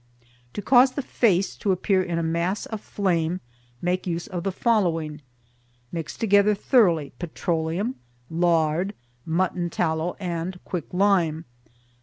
To cause the face to appear in a mass of flame make use of the following: mix together thoroughly petroleum, lard, mutton tallow and quick lime.